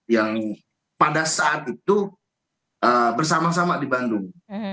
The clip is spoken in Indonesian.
yang pada saat itu bersama sama di bandung